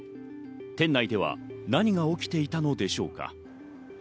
店内では何が起きていたのでしょうか。